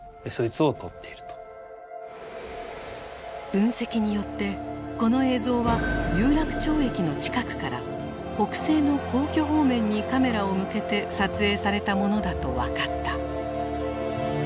分析によってこの映像は有楽町駅の近くから北西の皇居方面にカメラを向けて撮影されたものだと分かった。